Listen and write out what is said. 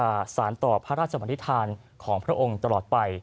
สารต่อพระราชบันนิษฐานของพระองค์ตลอดไป